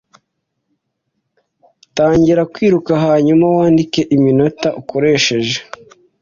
Tangira Kwiruka hanyuma wandike iminota ukoresheje